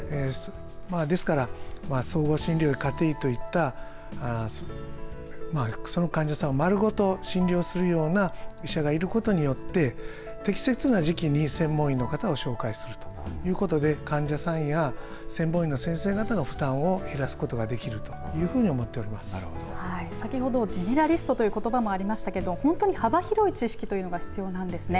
ですから総合診療家庭医といったその患者さんを丸ごと診療するような医者がいることによって適切な時期に専門医の方を紹介するということで患者さんや専門医の先生方の負担を減らすことができる先ほどジェネラリストということばもありましたけど本当に幅広い知識が必要なんですね。